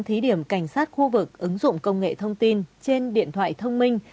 thí điểm cảnh sát khu vực ứng dụng công nghệ thông tin trên điện thoại thông minh